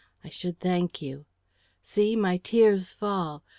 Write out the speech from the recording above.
I should thank you. See my tears fall!